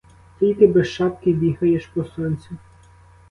Тільки без шапки бігаєш по сонцю.